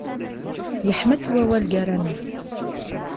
Yeḥma-tt wawal gar-aneɣ.